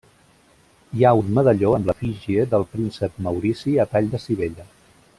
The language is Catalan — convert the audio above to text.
Hi ha un medalló amb l'efígie del príncep Maurici a tall de sivella.